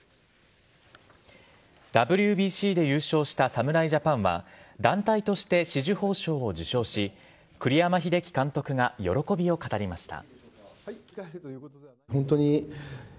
ＷＢＣで優勝した侍ジャパンは団体として紫綬褒章を受章し栗山英樹監督が喜びを語りました。